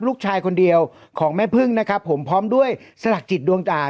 ลูกชายคนเดียวของแม่พึ่งนะครับผมพร้อมด้วยสลักจิตดวงอ่า